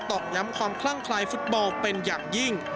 อกย้ำความคลั่งคลายฟุตบอลเป็นอย่างยิ่ง